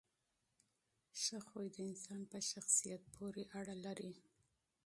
ادب د انسان په شخصیت پورې اړه لري.